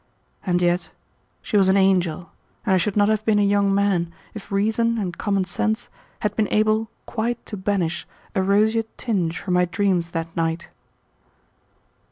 And yet she was an angel, and I should not have been a young man if reason and common sense had been able quite to banish a roseate tinge from my dreams that night.